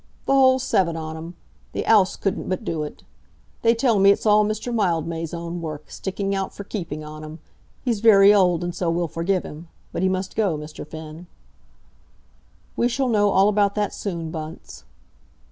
"The whole seven on 'em. The 'ouse couldn't but do it. They tell me it's all Mr. Mildmay's own work, sticking out for keeping on 'em. He's very old, and so we'll forgive him. But he must go, Mr. Finn." "We shall know all about that soon, Bunce."